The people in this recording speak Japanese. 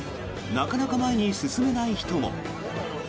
なかなか前に進めない人も。